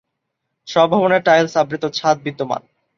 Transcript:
সব ভবনের টাইলস আবৃত ছাদ বিদ্যমান।